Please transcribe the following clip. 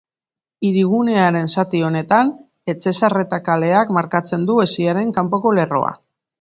Hirigunearen zati honetan Etxezarreta kaleak markatzen du hesiaren kanpoko lerroa.